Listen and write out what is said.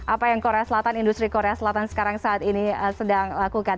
apa yang korea selatan industri korea selatan sekarang saat ini sedang lakukan